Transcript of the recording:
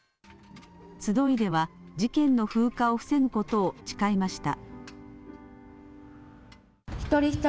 集いでは事件の風化を防ぐことを誓いました。